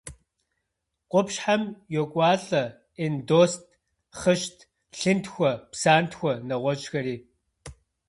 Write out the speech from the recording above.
Къупщхьэм йокӏуалӏэ эндост, хъыщт, лъынтхуэ, псантхуэ, нэгъуэщӏхэри.